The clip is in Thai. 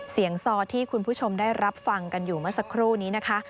ซอที่คุณผู้ชมได้รับฟังกันอยู่เมื่อสักครู่นี้นะคะ